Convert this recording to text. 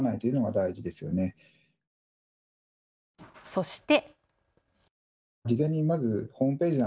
そして。